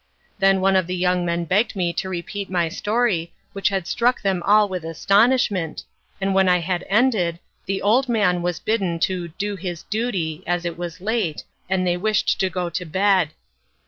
Then one of the young men begged me to repeat my story, which had struck them all with astonishment, and when I had ended, the old man was bidden to "do his duty," as it was late, and they wished to go to bed.